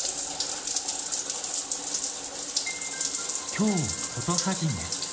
「京コトはじめ」